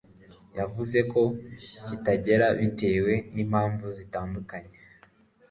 yavuzeko kitagera bitewe n'impamvu zitandukanye